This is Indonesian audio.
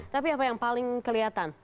tapi apa yang paling kelihatan